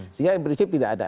sehingga yang prinsip tidak ada